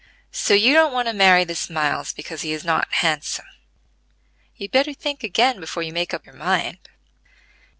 "So you don't want to marry this Miles because he is not handsome. You'd better think again before you make up your mind.